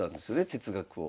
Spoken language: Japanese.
哲学を。